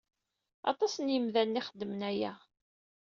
Aṭas n yemdanen i yxeddmen aya.